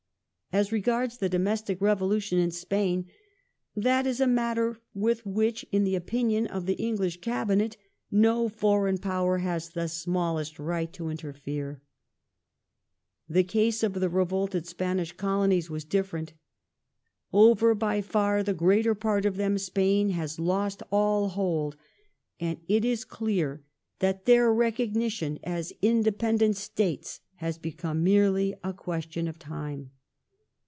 As regards the domestic revolution in Spain, "that is a matter I with which, in the opinion of the English Cabinet, no foreign power \ j has the smallest right to interfere ". Old and 1 The case of the revolted Spanish Colonies was different :" Over Spain ^y ^^^^^^ greater part of them Spain has lost all hold," and it is clear that " their recognition as independent States has become merely a question of time".